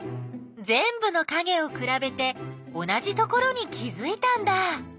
ぜんぶのかげをくらべて同じところに気づいたんだ。